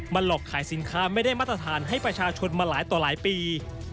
หลอกขายสินค้าไม่ได้มาตรฐานให้ประชาชนมาหลายต่อหลายปี